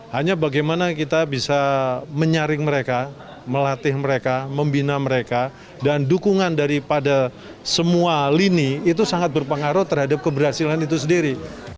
hanya bagaimana kita bisa menyaring mereka melatih mereka membina mereka dan dukungan daripada semua lini itu sangat berpengaruh terhadap keberhasilan itu sendiri